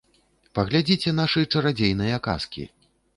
Паглядзіце нашы чарадзейныя казкі.